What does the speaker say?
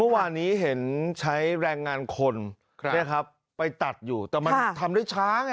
เมื่อวานี้เห็นใช้แรงงานคนใช่ไหมครับไปตัดอยู่แต่มันทำได้ช้าไง